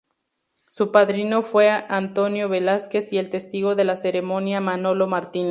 Su padrino fue Antonio Velázquez y el testigo de la ceremonia Manolo Martínez.